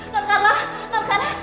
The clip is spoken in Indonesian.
reng karla reng karla